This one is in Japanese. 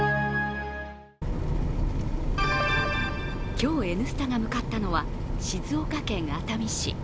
今日「Ｎスタ」が向かったのは静岡県熱海市。